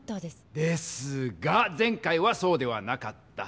ですが前回はそうではなかった。